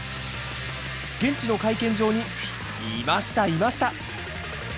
現地の会見場にいました、いました！